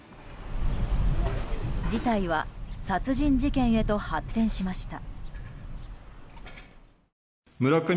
事態は殺人事件へと発展しました。